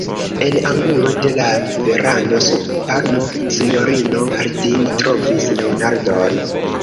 En angulo de la verando, sub palmo, sinjorino Harding trovis Leonardon.